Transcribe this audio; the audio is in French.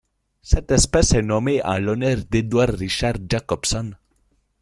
Cette espèce est nommée en l'honneur d'Edward Richard Jacobson.